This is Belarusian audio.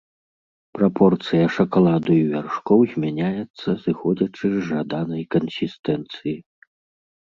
Прапорцыя шакаладу і вяршкоў змяняецца, зыходзячы з жаданай кансістэнцыі.